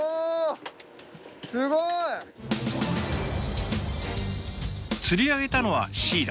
すごい！釣り上げたのはシイラ。